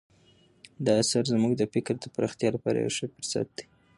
دا اثر زموږ د فکر د پراختیا لپاره یو ښه فرصت دی.